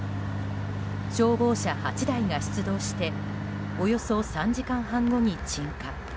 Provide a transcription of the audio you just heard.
消防車８台が出動しておよそ３時間半後に鎮火。